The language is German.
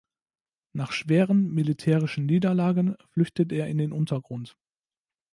Nach schweren militärischen Niederlagen flüchtet er in den Untergrund.